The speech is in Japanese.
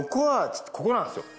ここなんですよ。